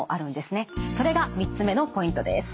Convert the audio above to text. それが３つ目のポイントです。